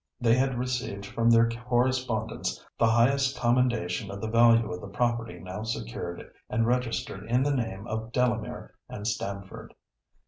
They had received from their correspondents the highest commendation of the value of the property now secured and registered in the name of Delamere and Stamford.